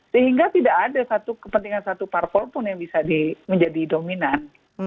sehingga tidak ada satu kepentingan satu parpol pun yang bisa menjadi dominan